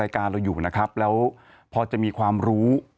การเราอยู่นะครับแล้วพอจะมีความรู้